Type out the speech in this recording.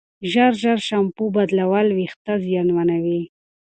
ژر ژر شامپو بدلول وېښتې زیانمنوي.